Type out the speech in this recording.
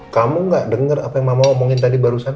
kamu gak denger apa yang mama omongin tadi barusan